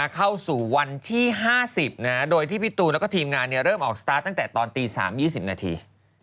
เข้าสู่วันที่๕๐โดยที่พี่ตูนแล้วก็ทีมงานเริ่มออกสตาร์ทตั้งแต่ตอนตี๓๒๐นาที